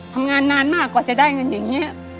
ทำงานนานมากกว่าจะได้เงินอย่างนี้